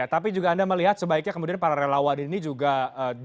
tapi juga anda melihat sebaiknya kemudian para relawan ini juga jauh lebih jauh